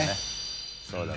△そうだ！